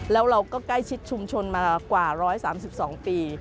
แล้วเราก็ใกล้ชิดชุมชนมากว่า๑๓๒ปี